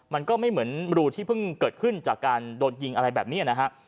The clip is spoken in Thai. มันก็ไม่เหมือนรูที่เพิ่งเกิดขึ้นจากการโดนยิงอะไรแบบนี้นะฮะ